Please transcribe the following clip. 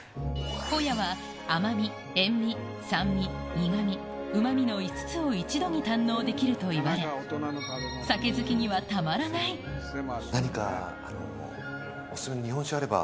ホヤは、甘み、塩味、酸味、苦み、うまみの５つを一度に堪能できるといわれ、酒好きにはたま何か、お勧めの日本酒あれば。